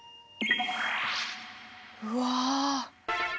うわ。